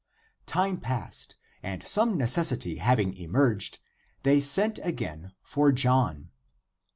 Time passed, and some necessity having emerged, they sent again for John.